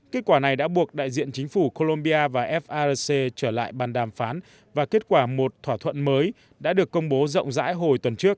kết quả này đã buộc đại diện chính phủ colombia và farc trở lại bàn đàm phán và kết quả một thỏa thuận mới đã được công bố rộng rãi hồi tuần trước